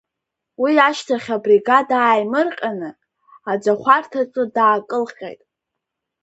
Уи ашьҭахь абригада ааимырҟьаны, аӡахәарҭаҿы даакылҟьеит.